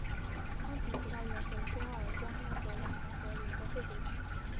康廷葡萄园和多尔多涅河两条河流的汇合区。